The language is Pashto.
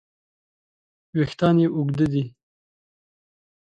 وېښتیان یې اوږده دي.